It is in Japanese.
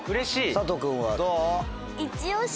佐藤君はどう？